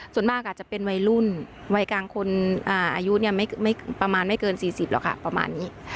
ส่วนมากอาจจะเป็นวัยรุ่นวัยกลางคนอายุไม่ประมาณไม่เกิน๔๐หรอกค่ะประมาณนี้